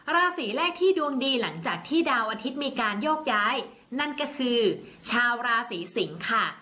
ราศีแรกที่ดวงดีหลังจากที่ดาวอาทิตย์มีการโยกย้ายนั่นก็คือชาวราศีสิงค่ะ